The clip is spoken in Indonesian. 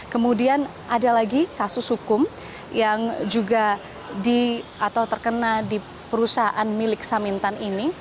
kemudian ada lagi kasus hukum yang juga di atau terkena di perusahaan milik samintan ini